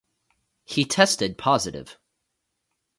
He tested positive.